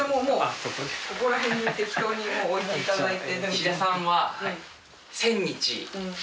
ここら辺に適当に置いていただいて。